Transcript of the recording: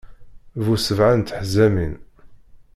Bu sebɛa n teḥzamin.